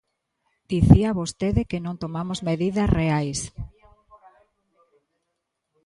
Dicía vostede que non tomamos medidas reais.